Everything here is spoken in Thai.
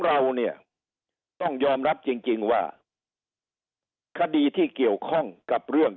เราเนี่ยต้องยอมรับจริงจริงว่าคดีที่เกี่ยวข้องกับเรื่อง